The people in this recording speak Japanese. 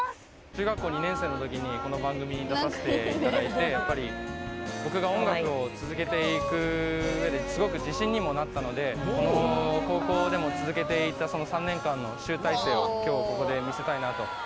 中学校２年生の時にこの番組に出させていただいてやっぱり僕が音楽を続けていくうえですごく自信にもなったので高校でも続けていたその３年間の集大成を今日ここで見せたいなと。